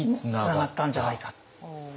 つながったんじゃないか。